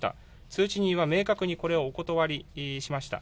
通知人は明確にこれをお断りしました。